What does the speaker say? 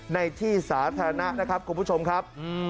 ในที่สาธารณะนะครับคุณผู้ชมครับ